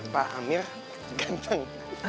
bapak amir ganteng